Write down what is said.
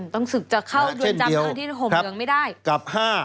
ต้องสึกจะเข้าเรือนจำแต่ที่โหมเหลืองไม่ได้นะอย่างเช่นเดียว